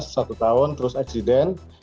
satu tahun terus eksiden